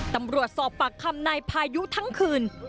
ตำรวจสอบปากคำในพายุทั้งคืน